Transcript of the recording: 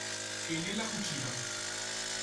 E nella cucina.